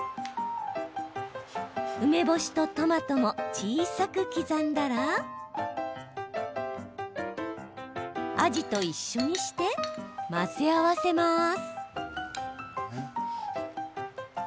梅干しとトマトも小さく刻んだらあじと一緒にして混ぜ合わせます。